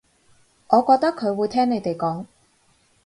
我覺得佢會聽你哋講